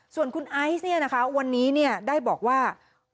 ส่วนคุณไอซ์เนี่ยนะคะวันนี้ได้บอกว่า